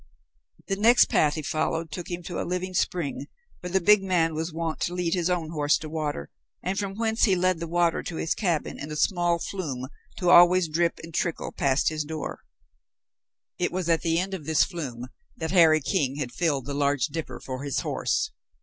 The next path he followed took him to a living spring, where the big man was wont to lead his own horse to water, and from whence he led the water to his cabin in a small flume to always drip and trickle past his door. It was at the end of this flume that Harry King had filled the large dipper for his horse.